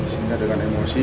sehingga dengan emosi